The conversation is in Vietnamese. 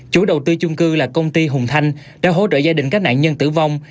chủ đầu tư chung cư là công ty hùng thanh đã hỗ trợ gia đình các nạn nhân tử vong